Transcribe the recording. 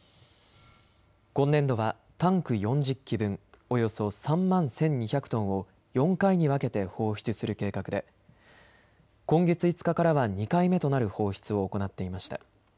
今年度はタンク４０基分およそ３万１２００トンを４回に分けて放出する計画で今月５日からは２回目となる放出を行っていました。